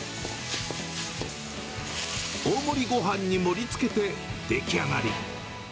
大盛りごはんに盛りつけて出来上がり。